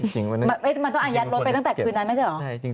จริงมันต้องอัยัดลงไปตั้งแต่คืนนั้นไม่ใช่หรือ